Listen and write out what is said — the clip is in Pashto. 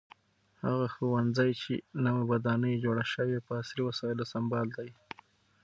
هغه ښوونځی چې نوې ودانۍ یې جوړه شوې په عصري وسایلو سمبال دی.